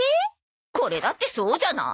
これだってそうじゃない。